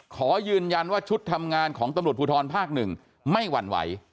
ขอยืนยันว่าชุดทำงานของตำรวจภูทรภาค๑ไม่หวั่นไหว